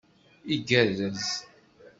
Igerrez.